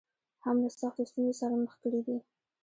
هم له سختو ستونزو سره مخ کړې دي.